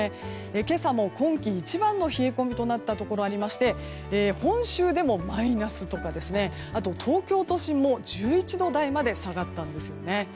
今朝も今季一番の冷え込みとなったところがありまして本州でもマイナスとか東京都心も１１度台まで下がったんですよね。